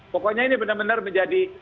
pokoknya ini benar benar menjadi